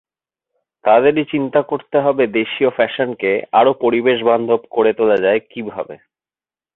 তাদেরই চিন্তা করতে হবে দেশীয় ফ্যাশনকে আরও পরিবেশবান্ধব করে তোলা যায় কীভাবে।